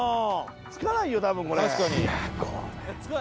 着かないよ多分これ。